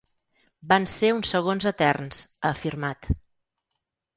Van ser uns segons eterns, ha afirmat.